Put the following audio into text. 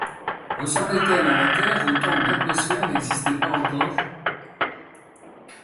Ressemblait-elle à la Terre au temps où l’atmosphère n’existait pas encore?